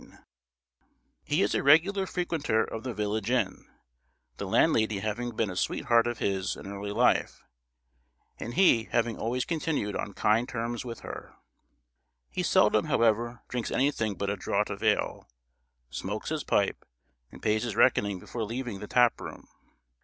[Illustration: Quelling the Brawl] He is a regular frequenter of the village inn, the landlady having been a sweetheart of his in early life, and he having always continued on kind terms with her. He seldom, however, drinks anything but a draught of ale; smokes his pipe, and pays his reckoning before leaving the tap room.